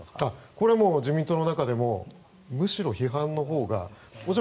これは自民党の中でもむしろ批判のほうが。